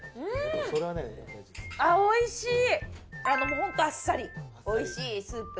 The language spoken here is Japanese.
ホントあっさりおいしいスープ。